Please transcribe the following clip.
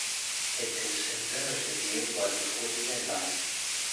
It is imperative you apply before the deadline.